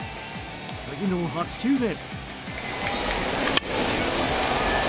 次の８球目。